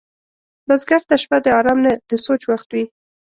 بزګر ته شپه د آرام نه، د سوچ وخت وي